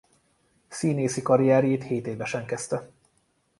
Színészi karrierjét hétévesen kezdte.